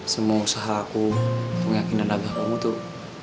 semua usaha aku pengakinan abah kamu tuh